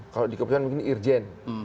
kalau dikeputusan begini irjen